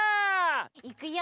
いくよ！